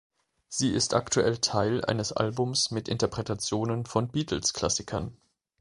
Sie ist aktuell Teil eines Albums mit Interpretationen von Beatles-Klassikern.